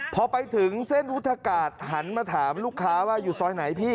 พอไปถึงเส้นพุทธกาศหันมาถามลูกค้าว่าอยู่ซอยไหนพี่